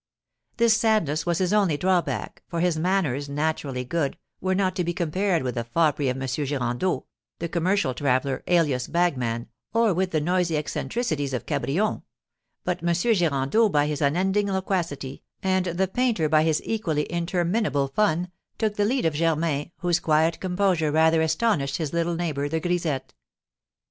This sadness was his only drawback, for his manners, naturally good, were not to be compared with the foppery of M. Girandeau, the commercial traveller, alias bagman, or with the noisy eccentricities of Cabrion; but M. Girandeau by his unending loquacity, and the painter by his equally interminable fun, took the lead of Germain, whose quiet composure rather astonished his little neighbour, the grisette.